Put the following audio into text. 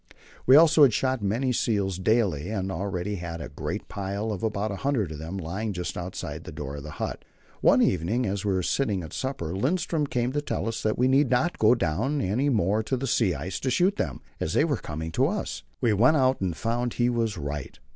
We also shot many seals daily, and we already had a great pile of about a hundred of them lying just outside the door of the hut. One evening as we were sitting at supper Lindström came in to tell us that we need not go down any more to the sea ice to shoot them, as they were coming up to us. We went out and found he was right.